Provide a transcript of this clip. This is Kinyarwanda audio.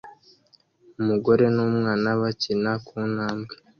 Umugore numwana bakina kuntambwe